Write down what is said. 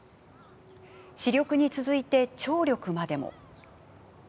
視力に続いて聴力までも。